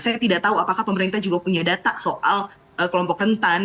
saya tidak tahu apakah pemerintah juga punya data soal kelompok rentan